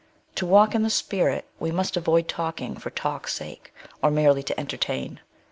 To walk in the Spirit, we must avoid talking for talk's sake, or merely to entertain.